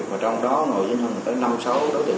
và trong đó ngồi với anh hưng năm sáu đối tượng sở